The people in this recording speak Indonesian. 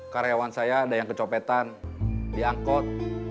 karyawan saya ada yang kecopetan diangkut